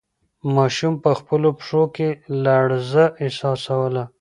ماشوم په خپلو پښو کې لړزه احساسوله.